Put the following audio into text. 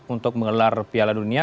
untuk mengelar piala dunia